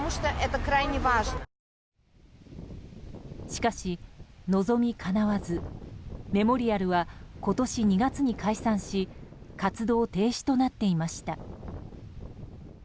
しかし、望みかなわずメモリアルは今年２月に解散し活動停止となっていました。